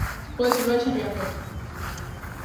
Pode ser baixa en Riazor.